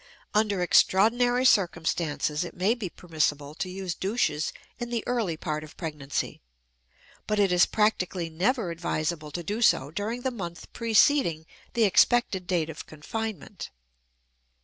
Under extraordinary circumstances, it may be permissible to use douches in the early part of pregnancy, but it is practically never advisable to do so during the month preceding the expected date of confinement.